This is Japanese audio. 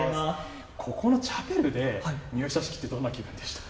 ここのチャペルで入社式って、どんな気分でした？